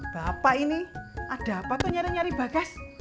bapak ini ada apa tuh nyari nyari bagas